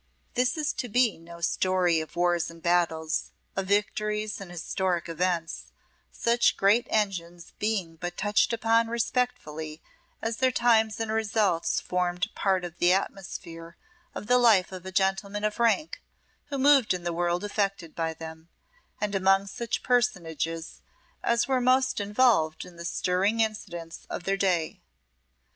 This is to be no story of wars and battles, of victories and historic events, such great engines being but touched upon respectfully, as their times and results formed part of the atmosphere of the life of a gentleman of rank who moved in the world affected by them, and among such personages as were most involved in the stirring incidents of their day.